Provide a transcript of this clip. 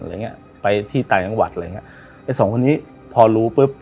อย่างเงี้ยไปที่ต่างจังหวัดอะไรอย่างเงี้ยไอ้สองคนนี้พอรู้ปุ๊บ